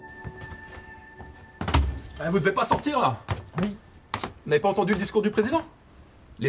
はい？